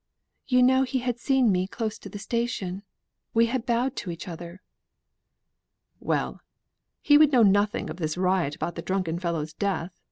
You know he had seen me close to the station; we had bowed to each other." "Well! he would know nothing of this riot, about the drunken fellow's death.